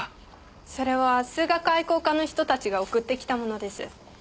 それは数学愛好家の人たちが送ってきたものです。